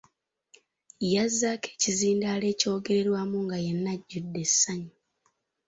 Yazzaako ekizindaalo ekyogererwamu nga yenna ajjudde essanyu.